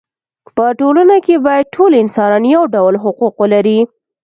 په ټولنه کې باید ټول انسانان یو ډول حقوق ولري.